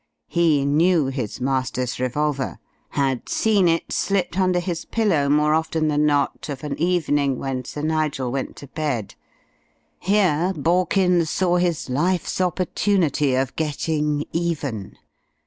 He knew his master's revolver, had seen it slipped under his pillow more often than not of an evening when Sir Nigel went to bed. Here Borkins saw his life's opportunity of getting even.